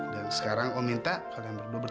dan sekarang om minta kalian berdua bertunangan